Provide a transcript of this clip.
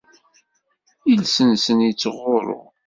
Iles-nsen ittɣurru.